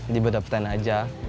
di bedapten aja